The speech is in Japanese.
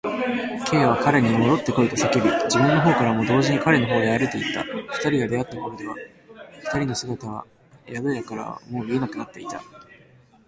Ｋ は彼にもどってこいと叫び、自分のほうからも同時に彼のほうへ歩いていった。二人が出会ったところでは、二人の姿は宿屋からはもう見えなくなっていた。